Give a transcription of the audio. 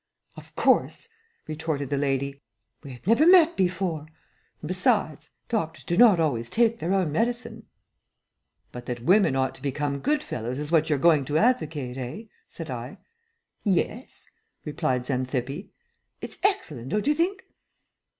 "Of course," retorted the lady. "We had never met before, and, besides, doctors do not always take their own medicine." "But that women ought to become good fellows is what you're going to advocate, eh?" said I. "Yes," replied Xanthippe. "It's excellent, don't you think?"